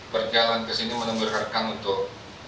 berjalan kesini menemburkarkan untuk